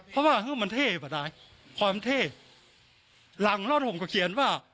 เพราะว่ามันเท่พอได้ความเท่หลังรอดห่มก็เขียนว่า